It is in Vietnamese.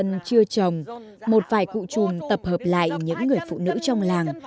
những cô gái thanh tân chưa trồng một vài cụ trùm tập hợp lại những người phụ nữ trong làng